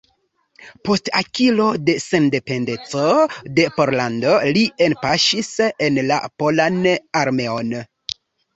Post akiro de sendependeco de Pollando li enpaŝis en la polan armeon.